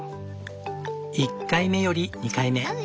１回目より２回目。